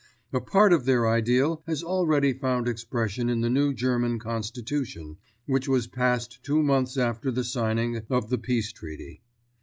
A part of their ideal has already found expression in the new German Constitution, which was passed two months after the signing of the Peace Treaty.